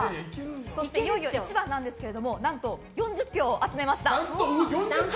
そしていよいよ１番なんですが何と４０票を集めました。